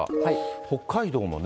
北海道もね。